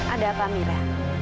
ada apa mira